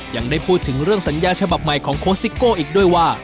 ยังได้พูดถึงเรื่องสัญญาฉบับใหม่ของโค้ชซิโก้อีกด้วยว่า